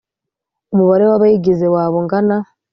Umubare w abayigize waba ungana